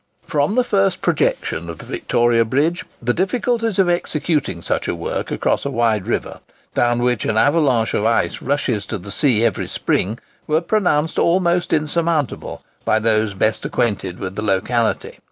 From the first projection of the Victoria Bridge, the difficulties of executing such a work across a wide river, down which an avalanche of ice rushes to the sea every spring, were pronounced almost insurmountable by those best acquainted with the locality.